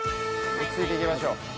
落ち着いていきましょう。